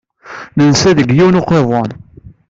Nensa deg yiwen n uqiḍun.